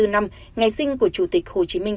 một trăm ba mươi bốn năm ngày sinh của chủ tịch hồ chí minh